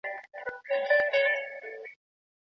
موږ باید د یوې روښانه سبا لپاره ګډې هڅې وکړو.